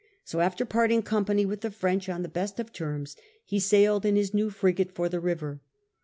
So after parting company with the French on the best of terms, he sailed in his new frigate for the river.